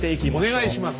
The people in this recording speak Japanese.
お願いします。